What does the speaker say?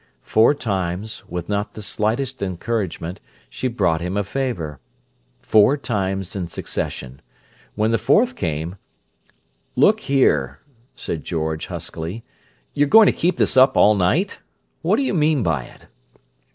Four times, with not the slightest encouragement, she brought him a favour: four times in succession. When the fourth came, "Look here!" said George huskily. "You going to keep this up all night? What do you mean by it?"